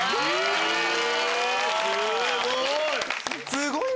すごい！